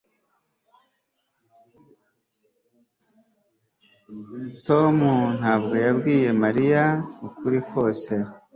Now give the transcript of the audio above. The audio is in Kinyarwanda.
Tom ntabwo yabwiye Mariya ukuri kose